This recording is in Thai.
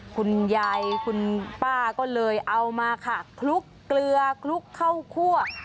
คุณยายคุณป้าก็เลยเอามาค่ะคลุกเกลือคลุกเข้าคั่ว